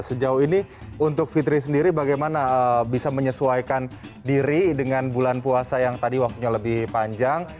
sejauh ini untuk fitri sendiri bagaimana bisa menyesuaikan diri dengan bulan puasa yang tadi waktunya lebih panjang